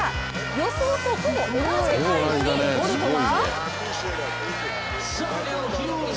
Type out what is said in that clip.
予想とほぼ同じタイムにボルトは？